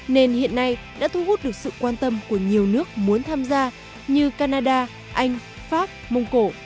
nên hiện nay đã thu hút được sự quan tâm của nhiều nước muốn tham gia như canada anh pháp mông cổ